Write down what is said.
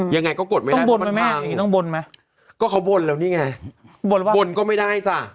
ยังไงก็กดไม่ได้